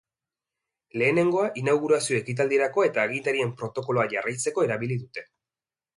Lehenengoa inaugurazio ekitaldirako eta agintarien protokoloa jarraitzeko erabili dute.